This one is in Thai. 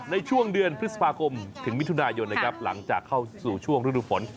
ในช่วงเดือนพฤษภาคมถึงวิทยุณายนหลังจากเข้าสู่ช่วงรุ่นฝน